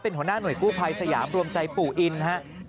หัวหน้าหน่วยกู้ภัยสยามรวมใจปู่อินครับ